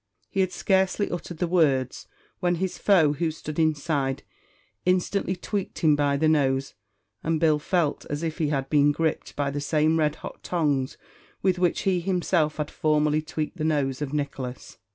He had scarcely uttered the words, when his foe, who stood inside, instantly tweaked him by the nose, and Bill felt as if he had been gripped by the same red hot tongs with which he himself had formerly tweaked the nose of Nicholas.